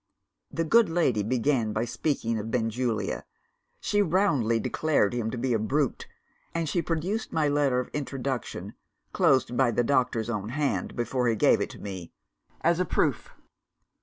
"The good lady began by speaking of Benjulia. She roundly declared him to be a brute and she produced my letter of introduction (closed by the doctor's own hand, before he gave it to me) as a proof.